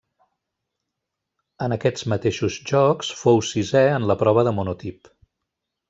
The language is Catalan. En aquests mateixos Jocs fou sisè en la prova de monotip.